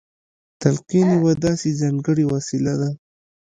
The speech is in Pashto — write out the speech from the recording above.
تلقين يوه داسې ځانګړې وسيله ده.